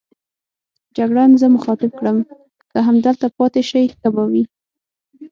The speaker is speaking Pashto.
جګړن زه مخاطب کړم: که همدلته پاتې شئ ښه به وي.